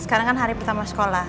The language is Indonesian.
sekarang kan hari pertama sekolah